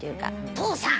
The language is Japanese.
「父さん」。